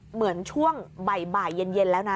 เหมือนช่วงบ่ายเย็นแล้วนะ